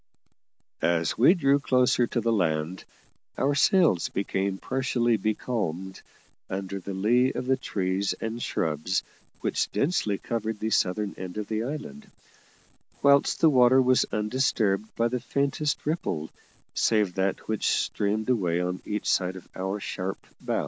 As we drew closer to the land, our sails became partially becalmed under the lee of the trees and shrubs which densely covered the southern end of the island, whilst the water was undisturbed by the faintest ripple save that which streamed away on each side of our sharp bow.